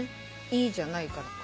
「い」じゃないからか。